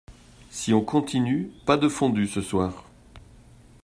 Si on continue, pas de fondue ce soir.